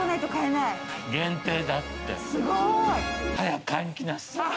すごーい！